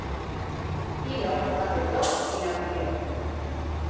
Ilo aceptó y la siguió.